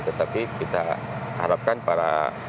tetapi kita harapkan para kapal perang yang akan datang